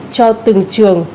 cho từng trường